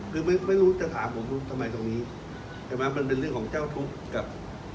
คือไม่รู้จะถามผมทำไมตรงนี้ใช่ไหมมันเป็นเรื่องของเจ้าทุกข์กับ